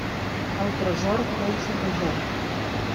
El tresor fou saquejat.